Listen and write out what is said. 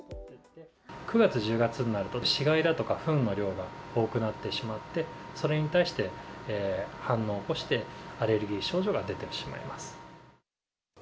９月、１０月になると、死骸だとかふんの量が多くなってしまって、それに対して反応を起こして、アレルギー症状が出てしまいます。